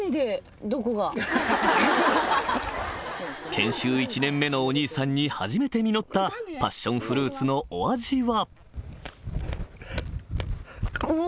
研修１年目のお兄さんに初めて実ったパッションフルーツのお味は？